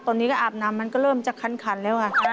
ตอนนี้ก็อาบน้ำมันก็เริ่มจะคันแล้ว